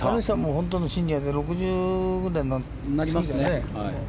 本当のシニアで６０ぐらいになりますよね。